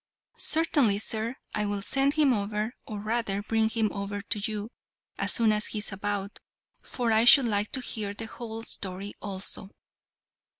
"Certainly, sir. I will send him over, or rather bring him over to you, as soon as he's about, for I should like to hear the whole story also."